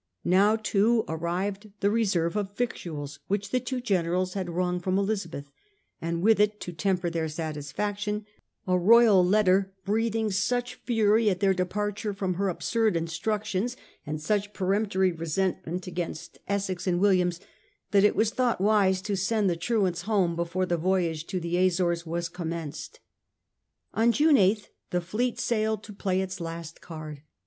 Now, too, arrived the XII DISPERSION OF THE FLEET 187 reserve of victuals which the two generals had wrung from Elizabeth, and with it, to temper their satisfaction, a royal letter breathing such fury at their departure from her absurd instructions, and such peremptory resentment against Essex and Williams that it was thought wise to send the truants home before the voyage to the Azores was commenced. On June 8th the fleet sailed to play its last card.